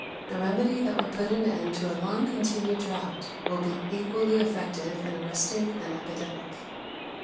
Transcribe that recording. The remedy that would put an end to a long continued drought will be equally effective in arresting an epidemic.